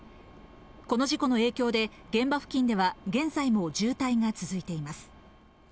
この事故の影響で現場付近では現在も渋滞が続いています。